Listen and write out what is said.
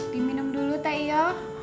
diminum dulu teh yo